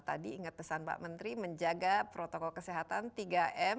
tadi ingat pesan pak menteri menjaga protokol kesehatan tiga m